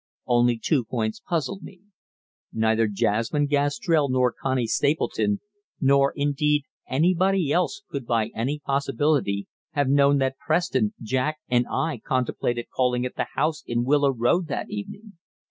Only two points puzzled me. Neither Jasmine Gastrell nor Connie Stapleton, nor, indeed, anybody else, could by any possibility have known that Preston, Jack, and I contemplated calling at the house in Willow Road that evening.